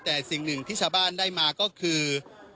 แต่สิ่งหนึ่งที่ชาวบ้านได้มาก็คือ